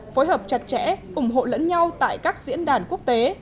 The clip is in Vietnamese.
phối hợp chặt chẽ ủng hộ lẫn nhau tại các diễn đàn quốc tế